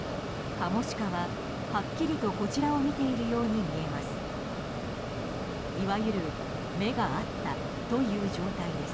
カモシカは、はっきりとこちらを見ているように見えます。